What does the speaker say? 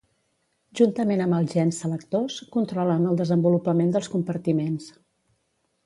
Juntament amb els gens selectors controlen el desenvolupament dels compartiments.